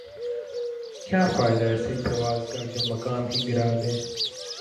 کیا فائدہ ایسی پرواز کا جومقام ہی گِرادے